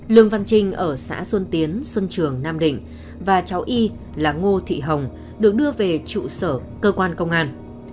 lương văn trinh ở xã xuân tiến xuân trường nam định và cháu y là ngô thị hồng được đưa về trụ sở cơ quan công an